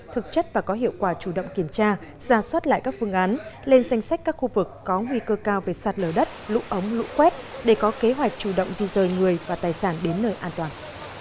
thực chất và có hiệu quả chủ động kiểm tra ra soát lại các phương án lên danh sách các khu vực có nguy cơ cao về sạt lở đất lũ ống lũ quét để có kế hoạch chủ động di rời người và tài sản đến nơi an toàn